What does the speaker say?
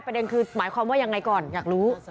ประเด็นคือหมายความว่ายังไงก่อนอยากรู้